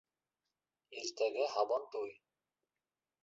Иртәгә - һабантуй.